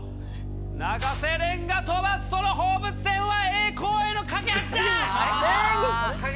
永瀬廉が飛ばす、その放物線は栄光への懸け橋だ。